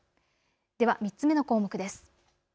では３つ目の項目です。